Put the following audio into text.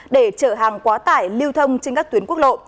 để chở hàng quá tải lưu thông trên các tuyến quốc lộ